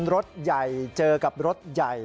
รถใหญ่เจอกับรถใหญ่